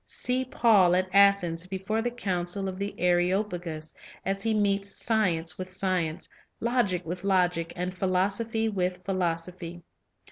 See Paul at Athens before the council of the Areop agus, as he meets science with science, logic with logic, and philosophy with philosophy.